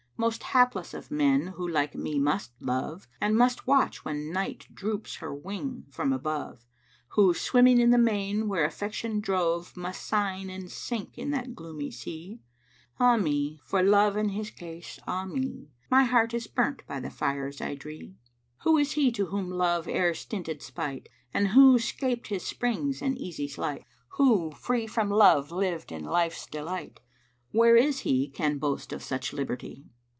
Most hapless of men who like me must love, * And must watch when Night droops her wing from above, Who, swimming the main where affection drove * Must sign and sink in that gloomy sea: 'Ah me, for Love and his case, ah me: My heart is burnt by the fires I dree!' Who is he to whom Love e'er stinted spite * And who scaped his springes and easy sleight; Who free from Love lived in life's delight? * Where is he can boast of such liberty?